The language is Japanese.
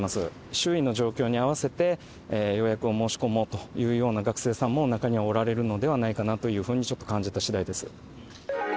周囲の状況に合わせて、予約を申し込もうというような学生さんも、中にはおられるのではないかなというふうに、ちょっと感じたしだいです。